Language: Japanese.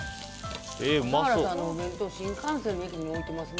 笠原さんのお弁当新幹線のホームに置いてますよね。